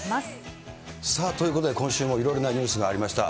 さあ、ということで、今週もいろいろなニュースがありました。